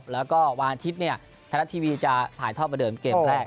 แล้วก็วันอาทิตย์ไทยรัฐทีวีจะถ่ายทอดประเดิมเกมแรก